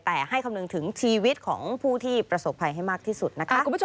แต่ให้คำนึงถึงชีวิตของผู้ที่ประสบภัยให้มากที่สุดนะคะคุณผู้ชม